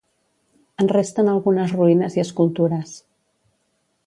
En resten algunes ruïnes i escultures.